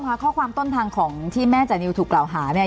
ค่ะข้อความต้นทางของที่แม่จานิวถูกกล่าวหาเนี่ย